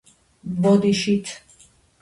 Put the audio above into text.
ბოდიშით